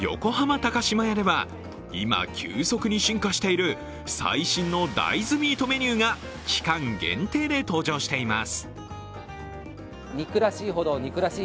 高島屋では今、急速に進化している最新の大豆ミートメニューが期間限定で登場しています。